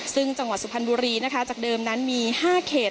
ซึ่งจังหวัดสุพรรณบุรีนะคะจากเดิมนั้นมี๕เขต